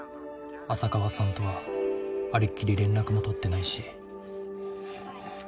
浅川さんとはあれっきり連絡も取ってないし。